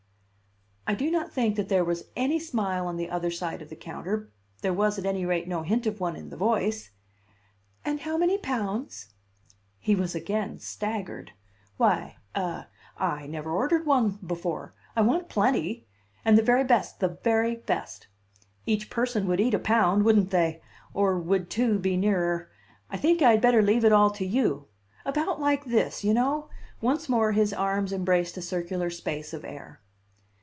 I do not think that there was any smile on the other side of the counter; there was, at any rate, no hint of one in the voice. "And how many pounds?" He was again staggered. "Why a I never ordered one before. I want plenty and the very best, the very best. Each person would eat a pound, wouldn't they? Or would two be nearer? I think I had better leave it all to you. About like this, you know." Once more his arms embraced a circular space of air.